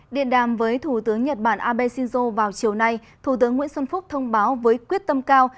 điện đàm với thủ tướng nhật bản abe shinzo vào chiều nay thủ tướng nguyễn xuân phúc thông báo với quyết tâm cao